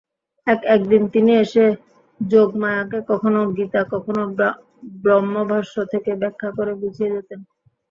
এক-একদিন তিনি এসে যোগমায়াকে কখনো গীতা কখনো ব্রহ্মভাষ্য থেকে ব্যাখ্যা করে বুঝিয়ে যেতেন।